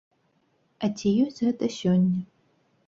А ці ёсць гэта сёння?